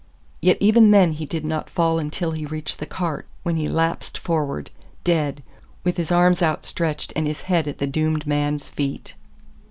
Yet even then he did not fall until he reached the cart, when he lapsed forward, dead, with his arms outstretched and his head at the doomed man's feet.